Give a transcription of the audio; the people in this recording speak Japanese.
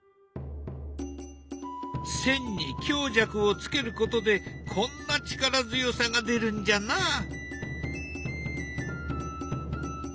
線に強弱をつけることでこんな力強さが出るんじゃな。